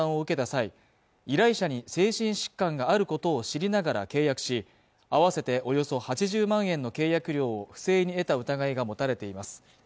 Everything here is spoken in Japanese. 際依頼者に精神疾患があることを知りながら契約し合わせておよそ８０万円の契約料を不正に得た疑いが持たれています